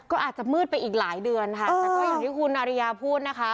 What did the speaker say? ก็อาจจะมืดไปอีกหลายเดือนค่ะแต่ก็อย่างที่คุณอริยาพูดนะคะ